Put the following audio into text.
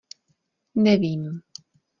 Nevím.